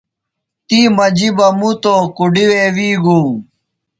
تی مجی بہ مُتوۡ۔ کُڈی وے وی گُوم۔